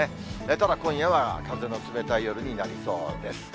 ただ今夜は、風の冷たい夜になりそうです。